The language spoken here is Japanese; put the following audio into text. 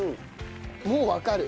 もうわかる。